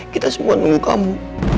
kita semua nunggu kamu